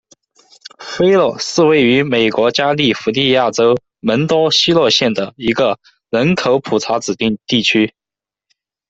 菲洛是位于美国加利福尼亚州门多西诺县的一个人口普查指定地区。